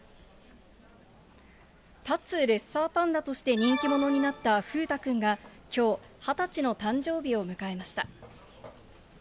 立つレッサーパンダとして人気者になった風太くんが、きょう、２０歳の誕生日を迎えました。